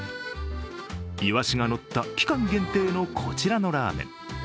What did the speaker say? イワシがのった期間限定のこちらのラーメン。